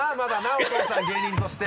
お父さん芸人として。